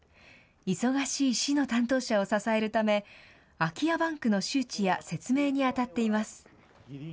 忙しい市の担当者を支えるため空き家バンクの周知や説明に当たっています。